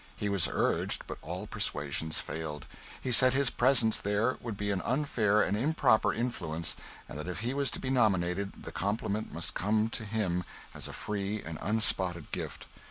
He was urged, but all persuasions failed. He said his presence there would be an unfair and improper influence and that if he was to be nominated the compliment must come to him as a free and unspotted gift.